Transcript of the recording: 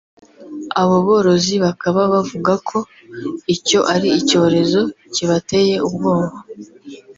Abo borozi bakaba bavuga ko icyo ari icyorezo kibateye ubwoba